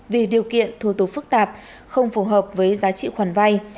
vì điều kiện thủ tục phức tạp không phù hợp với giá trị khoản vay